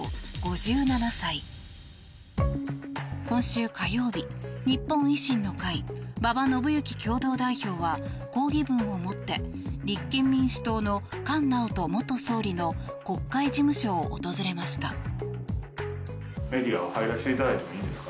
今週火曜日、日本維新の会馬場伸幸共同代表は抗議文を持って立憲民主党の菅直人元総理の国会事務所を訪れました。